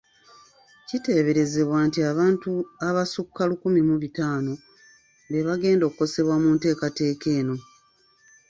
Kiteeberezebwa nti abantu abasukka lukumi mu bitaano be bagenda okukosebwa enteekateeka eno.